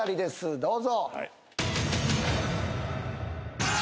どうぞ。